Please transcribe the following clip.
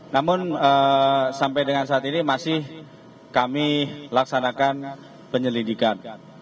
namun sampai dengan saat ini masih kami laksanakan penyelidikan